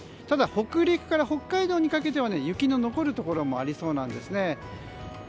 ただ北陸から北海道にかけては雪の残るところもありそうなんですね。